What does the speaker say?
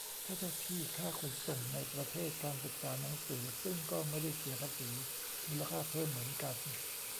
ค่าเช่าที่ ค่าขนส่งในประเทศ การศึกษา หนังสือ ซึ่งก็ไม่ได้เสียภาษีมูลค่าเพิ่มเหมือนกัน